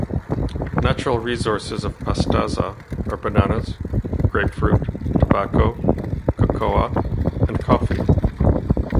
Natural resources of Pastaza are bananas, grapefruit, tobacco, cocoa and coffee.